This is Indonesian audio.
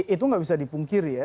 itu nggak bisa dipungkiri ya